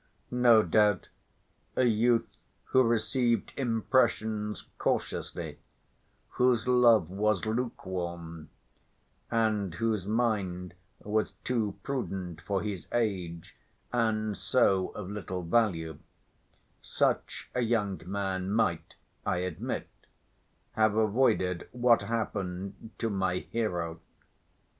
No doubt a youth who received impressions cautiously, whose love was lukewarm, and whose mind was too prudent for his age and so of little value, such a young man might, I admit, have avoided what happened to my hero.